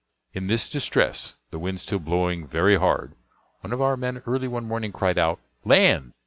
In this distress, the wind still blowing very hard, one of our men early one morning cried out, "Land!"